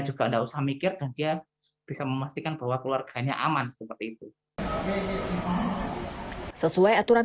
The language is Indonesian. juga enggak usah mikir dan dia bisa memastikan bahwa keluarganya aman seperti itu sesuai aturan